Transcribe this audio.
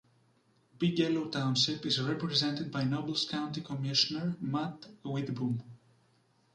Bigelow Township is represented by Nobles County Commissioner Matt Widboom.